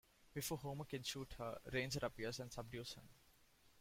Before Homer can shoot her, Ranger appears and subdues him.